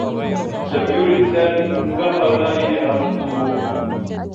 لم يرد سامي إنفاق ماله على الخيول.